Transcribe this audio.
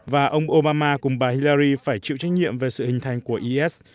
và ông obama cùng bà hilarri phải chịu trách nhiệm về sự hình thành của is